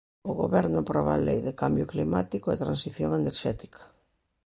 O Goberno aproba a Lei de cambio climático e transición enerxética.